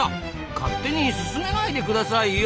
勝手に進めないでくださいよ！